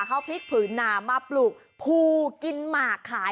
เขาพลิกผืนหนามาปลูกภูกินหมากขาย